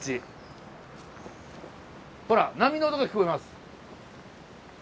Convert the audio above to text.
ほら波の音が聞こえます。